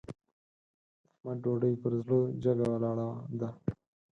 د احمد ډوډۍ پر زړه جګه ولاړه ده.